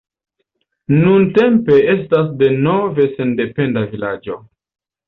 Nuntempe estas denove sendependa vilaĝo.